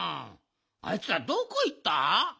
あいつらどこいった？